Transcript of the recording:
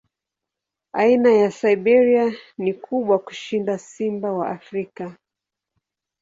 Aina ya Siberia ni kubwa kushinda simba wa Afrika.